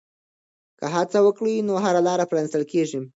که هڅه وکړې نو هره لاره پرانیستل کېږي.